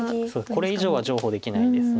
これ以上は譲歩できないです。